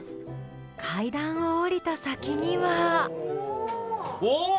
階段を下りた先にはおっ！